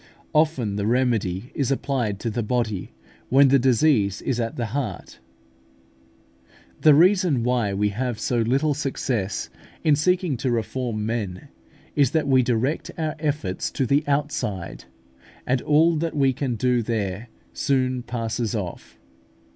Often the remedy is applied to the body, when the disease is at the heart. The reason why we have so little success in seeking to reform men, is that we direct our efforts to the outside, and all that we can do there soon passes off.